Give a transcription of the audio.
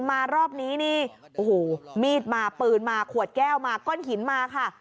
มารอบนี้นี่โอ้โหมีดมาปืนมาขวดแก้วมาก้อนหินมาค่ะ